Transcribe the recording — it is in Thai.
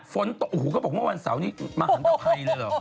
ฝนตกอู๋ก็บอกว่าวันเสาร์นี้มาหันตาไพ่เลยเหรอ